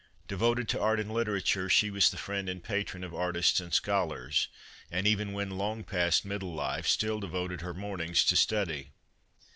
Devoted to art and literature, she was the friend and patron of artists and scholars, and even when long past middle life still devoted her mornings to study.